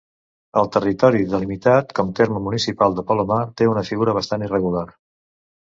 El territori delimitat com terme municipal del Palomar té una figura bastant irregular.